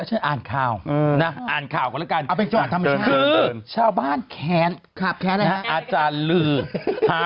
คืออยากให้ดูจริงไม่ได้จะไปแขนว่าเขาเลยนะ